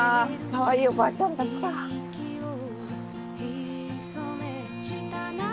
かわいいおばあちゃんだった。